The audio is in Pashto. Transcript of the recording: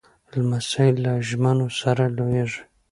لمسی له ژمنو سره لویېږي.